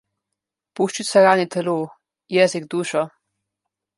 Puščica rani telo, jezik dušo.